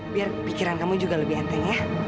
biar pikiran kamu juga lebih enteng ya